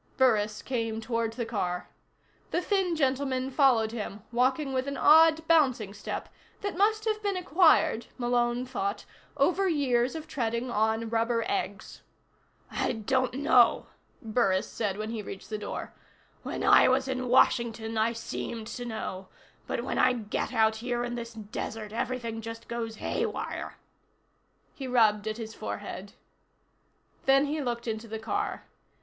Burris came toward the car. The thin gentleman followed him, walking with an odd bouncing step that must have been acquired, Malone thought, over years of treading on rubber eggs. "I don't know," Burris said when he'd reached the door. "When I was in Washington, I seemed to know but when I get out here in this desert, everything just goes haywire." He rubbed at his forehead. Then he looked into the car.